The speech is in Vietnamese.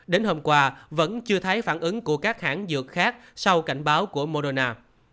đến hôm qua vẫn chưa thấy phản ứng của các hãng dược khác sau cảnh báo của moderna